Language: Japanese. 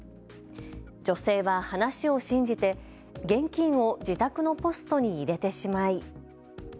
女性は話を信じて、現金を自宅のポストに入れてしまい。